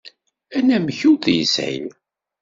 Anamek ur t-yesεi.